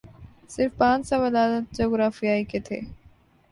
صرف پانچ سوالات جغرافیے کے تھے